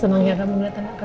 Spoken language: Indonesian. senang ya kamu melihat anak